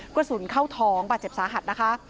กระสุนเข้าท้องบาดเจ็บสาหัสนะคะ